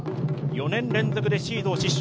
４年連続でシードを死守。